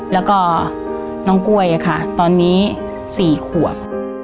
แล้วก็น้องกล้วยค่ะตอนนี้๔ขวบ